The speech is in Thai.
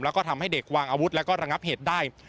แล้วก็ทำให้เด็กวางอาวุธแล้วก็ระงับเหตุได้